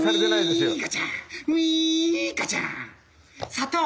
砂糖！